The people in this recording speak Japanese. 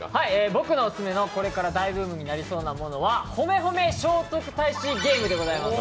僕のオススメの「これから大ブームになりそうなもの」は「ほめほめ聖徳太子ゲーム」です。